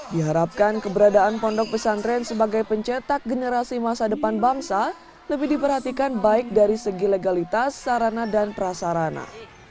diharapkan keberadaan pondok pesantren sebagai pencetak generasi masa depan bangsa lebih diperhatikan baik dari segi legalitas sarana dan prasarana